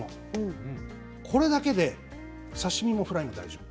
これだけで刺身もフライも大丈夫。